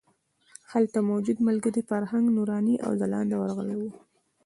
هلته موجود ملګري فرهنګ، نوراني او ځلاند ورغلي وو.